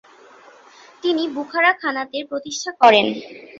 তিনি বুখারা খানাতের প্রতিষ্ঠা করেন।